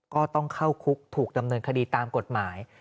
ก็ต้องเข้าคุกถูกดำเนินคดีตามกฎหมาย